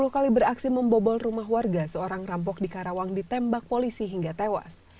sepuluh kali beraksi membobol rumah warga seorang rampok di karawang ditembak polisi hingga tewas